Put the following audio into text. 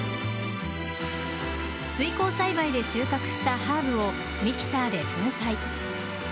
水耕栽培で収穫したハーブをミキサーで粉砕。